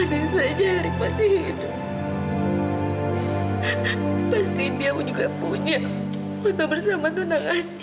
terima kasih tolong saya ya